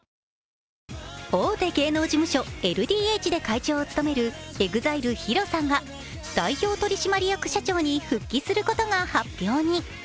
大手芸能事務所ＬＤＨで会長を務めるＥＸＩＬＥＨＩＲＯさんが代表取締役社長に復帰することが発表に。